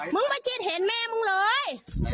มึงไม่เจ็ดเห็นแม่มึงเลย